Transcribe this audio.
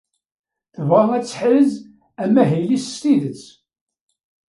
Tebɣa ad teḥrez amahil-is s tidet.